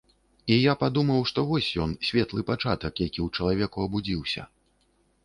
І я падумаў, што вось ён, светлы пачатак, які ў чалавеку абудзіўся.